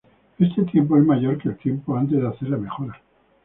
Este tiempo es mayor que el tiempo antes de hacer la mejora.